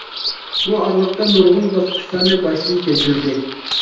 بۇ ئارىلىقتا نۇرغۇن باسقۇچلارنى باشتىن كەچۈردى.